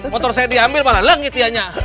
motor saya diambil malah lengit dia nya